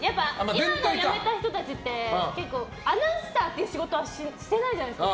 今、辞めた人たちって結構アナウンサーっていう仕事はしてないじゃないですか。